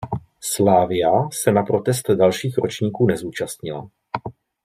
Slavia se na protest dalších ročníků nezúčastnila.